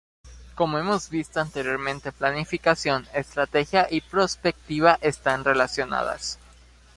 Como hemos visto anteriormente planificación, estrategia y prospectiva, están relacionadas.